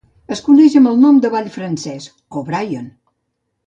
Es coneix amb el nom de "Vall francès" o "Brayon".